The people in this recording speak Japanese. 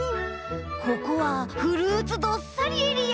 ここはフルーツどっさりエリア。